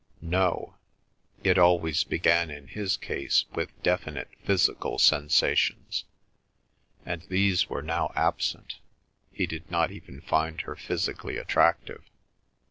No. It always began in his case with definite physical sensations, and these were now absent, he did not even find her physically attractive.